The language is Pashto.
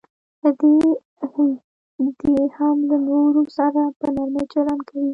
دی دې هم له نورو سره په نرمي چلند کوي.